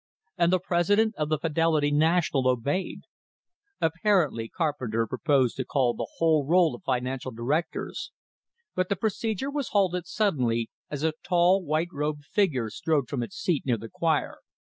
And the president of the Fidelity National obeyed. Apparently Carpenter proposed to call the whole roll of financial directors; but the procedure was halted suddenly, as a tall, white robed figure strode from its seat near the choir.